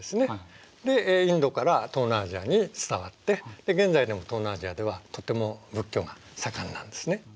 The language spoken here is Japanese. でインドから東南アジアに伝わって現在でも東南アジアではとても仏教が盛んなんですね。